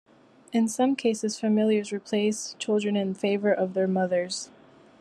In some cases familiars replace children in the favour of their mothers.